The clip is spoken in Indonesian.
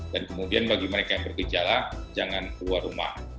dan kemudian bagi mereka yang berkejala jangan keluar rumah